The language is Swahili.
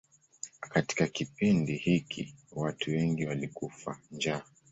Katika kipindi hiki watu wengi walikufa njaa.